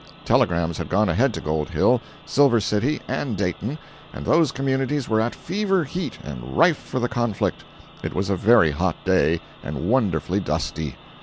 Telegrams had gone ahead to Gold Hill, Silver City and Dayton, and those communities were at fever heat and rife for the conflict. It was a very hot day, and wonderfully dusty.